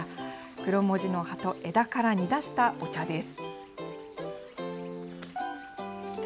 クロモジの葉と枝から煮出したお茶です。